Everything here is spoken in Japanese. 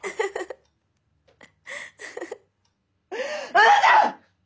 あなた！